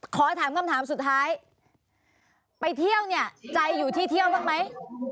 ขอถามคำถามสุดท้ายไปเที่ยวเนี่ยใจอยู่ที่เที่ยวบ้างไหม